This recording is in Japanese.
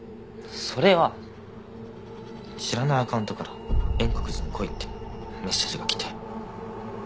それは知らないアカウントから円国寺に来いってメッセージが来て。